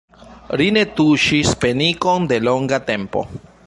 Ri ne tuŝis penikon de longa tempo.